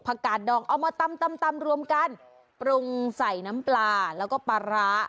กาดดองเอามาตำตำรวมกันปรุงใส่น้ำปลาแล้วก็ปลาร้า